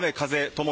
とも